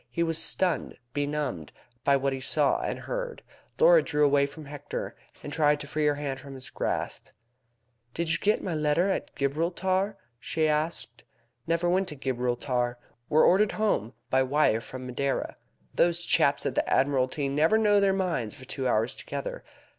He was stunned, benumbed, by what he saw and heard. Laura drew away from Hector, and tried to free her hand from his grasp. "Didn't you get my letter at Gibraltar?" she asked. "Never went to Gibraltar. Were ordered home by wire from Madeira. Those chaps at the Admiralty never know their own minds for two hours together.